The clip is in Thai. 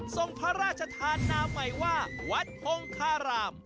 ส่งพระราชธานาใหม่ว่าวัดคงคาราม